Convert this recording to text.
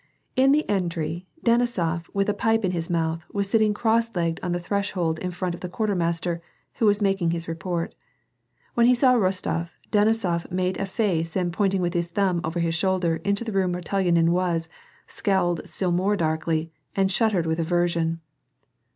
In the entry, Denisof, with a pipe in his mouth, was sitting cross legged on the threshold in front of the quartermaster, who was making his report. When he saw Rostof, Denisof made up a face and pointing with his thumb over his shoulder into the room where Telyanin was, scowled still more darkly, and shuddered with aversion.